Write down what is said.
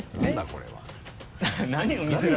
これは。